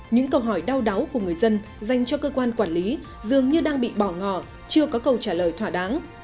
những câu hỏi đau đáu của người dân dành cho cơ quan quản lý dường như đang bị bỏ ngò chưa có câu trả lời thỏa đáng